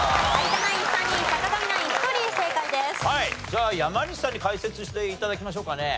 じゃあ山西さんに解説して頂きましょうかね。